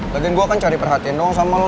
bagian gue kan cari perhatian dong sama lo